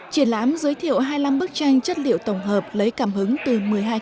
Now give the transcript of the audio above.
triển lãm giới thiệu hai mươi năm bức tranh chất liệu tổng hợp lấy cảm hứng từ một mươi hai